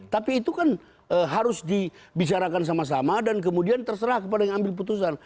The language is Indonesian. tapi itu kan harus dibicarakan sama sama dan kemudian terserah kepada yang ambil putusan